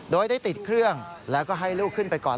โดยได้ติดเครื่องแล้วก็ให้ลูกขึ้นไปก่อน